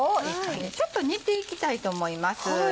ちょっと煮ていきたいと思います。